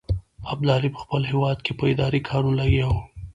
ابدالي په خپل هیواد کې په اداري کارونو لګیا وو.